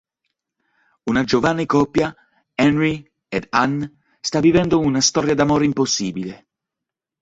Una giovane coppia, Henry ed Ann, sta vivendo una storia d'amore impossibile.